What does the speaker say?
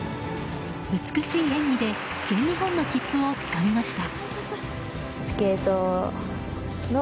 美しい演技で全日本の切符をつかみました。